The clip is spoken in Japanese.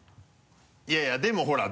いやいやでもほら。